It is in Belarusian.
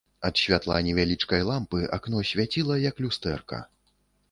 Ад святла невялічкай лямпы акно свяціла, як люстэрка.